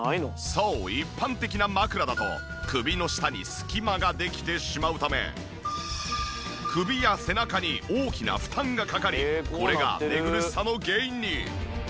そう一般的な枕だと首の下に隙間ができてしまうため首や背中に大きな負担がかかりこれが寝苦しさの原因に。